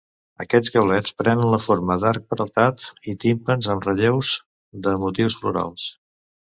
Aquests gablets prenen la forma d'arc peraltat i timpans amb relleus de motius florals.